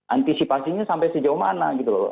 antisipasinya sampai sejauh mana gitu loh